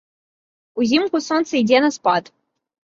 Узімку сонца ідзе на спад.